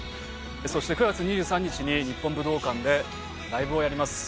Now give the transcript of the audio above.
そして９月２３日に日本武道館でライブをやります。